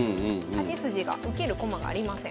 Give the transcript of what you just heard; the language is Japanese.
８筋が受ける駒がありません。